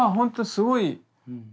すごい。